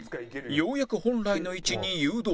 ようやく本来の位置に誘導